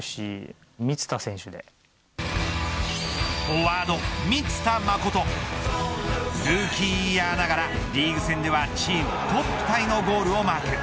フォワード、満田誠ルーキーイヤーながらリーグ戦ではチームトップタイのゴールをマーク。